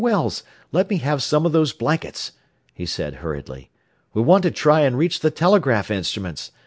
Wells, let me have some of those blankets," he said hurriedly. "We want to try and reach the telegraph instruments.